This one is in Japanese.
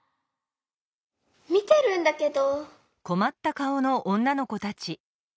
みてるんだけど。